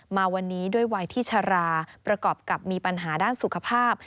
มาวันนี้ด้วยวัยที่ชราประกอบกับมีปัญหาด้านสุขภาพ